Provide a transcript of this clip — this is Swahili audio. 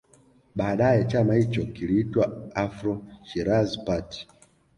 Baadae chama hicho kiliitwa Afro Shirazi Party